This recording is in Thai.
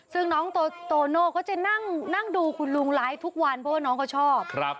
ซึ่งน้องโตโน่ก็จะนั่งดูคุณลุงไลฟ์ทุกวันเพราะว่าน้องเขาชอบ